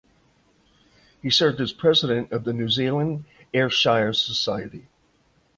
He served as president of the New Zealand Ayrshire Society.